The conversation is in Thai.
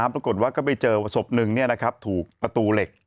โปรดได้เจอศพหนึ่งถูกประตูเหล็ก